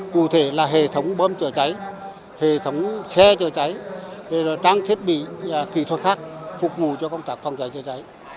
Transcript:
cụ thể là hệ thống bơm chữa cháy hệ thống xe chữa cháy trang thiết bị kỹ thuật khác phục vụ cho công tác phòng cháy chữa cháy